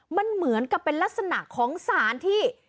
มันเหมือนกับเป็นลักษณะของสารที่